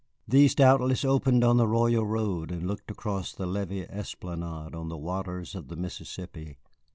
These doubtless opened on the Royal Road and looked across the levee esplanade on the waters of the Mississippi.